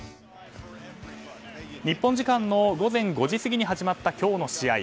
日本時間の午前５時過ぎに始まった今日の試合。